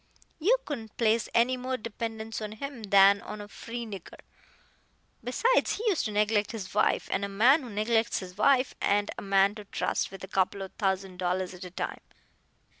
You couldn't place any more dependence on him than on a free nigger. Besides, he used to neglect his wife, and a man who neglects his wife ain't a man to trust with a couple o' thousand dollars at a time.